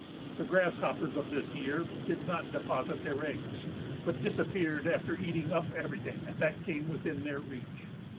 The grasshoppers of this year did not deposit their eggs, but disappeared after eating up everything that came within their reach.